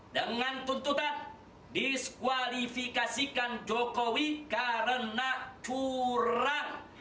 dengan tuntutan diskualifikasikan jokowi karena curang